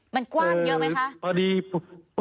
มันกว้างเยอะไหมคะ